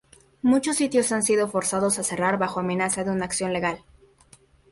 Muchos sitios han sido forzados a cerrar bajo amenaza de una acción legal.